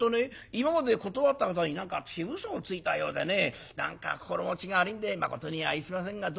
今まで断った方に何か私うそをついたようでね何か心持ちが悪いんでまことに相すいませんがどうぞご勘弁」。